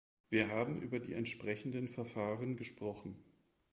Wir haben über die entsprechenden Verfahren gesprochen.